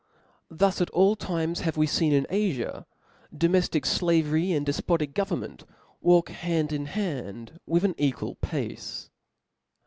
Thus at all times have we feen in Afi* •domeftic flavery, and Klefpotic government, walk hand in hand with an equal pace.